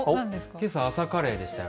けさ、朝カレーでした。